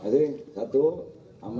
sini satu amel